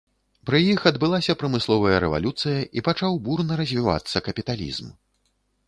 Пры іх адбылася прамысловая рэвалюцыя і пачаў бурна развівацца капіталізм.